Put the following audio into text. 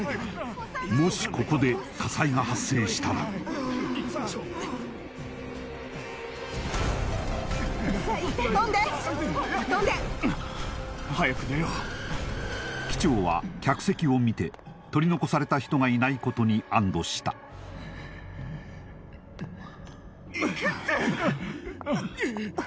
もしここで火災が発生したらさあいってとんでとんで早く出よう機長は客席を見て取り残された人がいないことに安堵した・いけって！